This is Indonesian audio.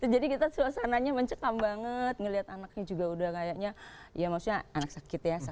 jadi kita suasananya mencekam banget ngeliat anaknya juga udah kayaknya ya maksudnya anak sakit ya